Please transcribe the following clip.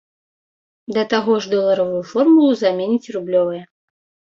Да таго ж, доларавую формулу заменіць рублёвая.